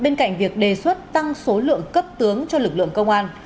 là việc đề xuất tăng số lượng cấp tướng cho lực lượng công an